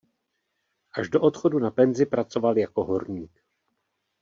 Až do odchodu na penzi pracoval jako horník.